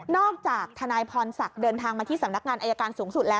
จากทนายพรศักดิ์เดินทางมาที่สำนักงานอายการสูงสุดแล้ว